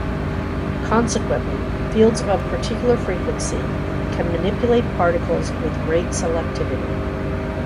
Consequently, fields of a particular frequency can manipulate particles with great selectivity.